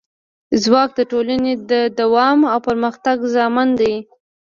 ځواک د ټولنې د دوام او پرمختګ ضامن دی.